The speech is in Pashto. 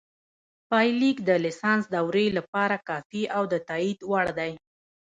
پایلیک د لیسانس دورې لپاره کافي او د تائید وړ دی